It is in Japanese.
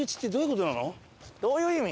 どういう意味？